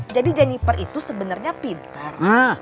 jadi jennifer itu sebenarnya pinter